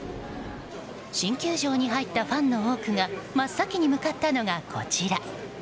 新球場に入ったファンの多くが真っ先に向かったのがこちら。